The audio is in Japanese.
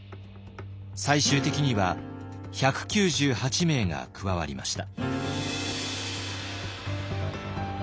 最終的には１９８名が加わりました。